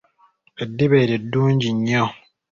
Eddiba eryo ddungi nnyo.